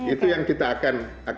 itu yang kita akan kirim ke berbagai